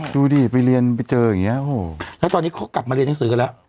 ดูดิไปเรียนไปเจออย่างนี้แล้วตอนนี้เขากลับมาเรียนหนังสือกันแล้ว